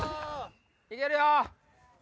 行けるよ！